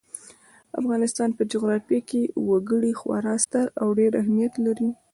د افغانستان په جغرافیه کې وګړي خورا ستر او ډېر اهمیت لري.